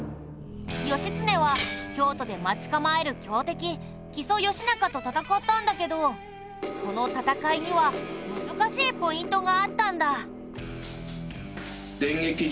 義経は京都で待ち構える強敵木曽義仲と戦ったんだけどこの戦いには難しいポイントがあったんだ。